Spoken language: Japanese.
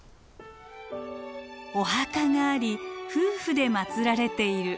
「お墓があり夫婦で祀られている」。